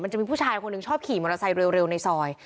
จะมีผู้ชายคนหนึ่งชอบขี่มอเตอร์ไซค์เร็วในซอย